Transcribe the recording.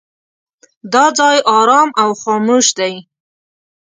دا ځای ارام او خاموش دی.